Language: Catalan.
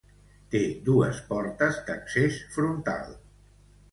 Té dues portes d'accés frontal.